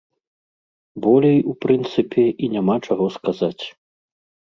Болей, у прынцыпе, і няма чаго сказаць.